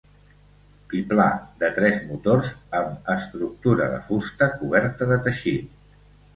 Biplà de tres motors amb estructura de fusta coberta de teixit.